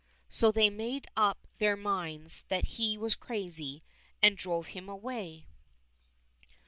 So they made up their minds that he was crazy, and drove him away.